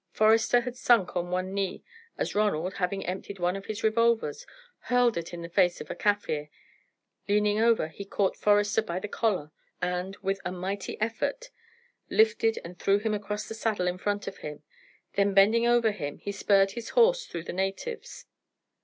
Forester had sunk on one knee as Ronald, having emptied one of his revolvers, hurled it in the face of a Kaffir; leaning over, he caught Forester by the collar, and, with a mighty effort, lifted and threw him across the saddle in front of him, then bending over him, he spurred his horse through the natives.